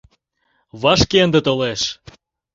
Вашке ынде толеш.